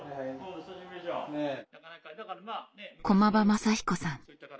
駒場雅彦さん。